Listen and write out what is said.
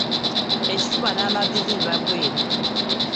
Ekifuba n'amaviivi biba bweru.